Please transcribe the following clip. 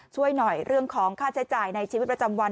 ช่วยหน่อยเรื่องของค่าใช้จ่ายในชีวิตประจำวัน